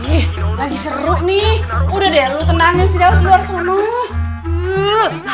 ih lagi seru nih udah deh lu tenangin si daos luar sana